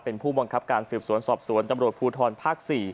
เป็นผู้บังคับการสืบสวนสอบสวนตำรวจภูทรภาค๔